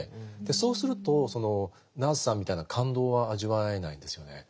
そうするとそのナースさんみたいな感動は味わえないんですよね。